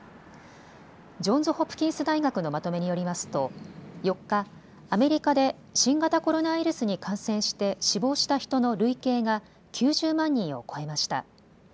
ジョンズ・ホプキンス大学のまとめによりますと、４日、アメリカで新型コロナウイルスに感染して死亡した人の累計が９０万人を超えました。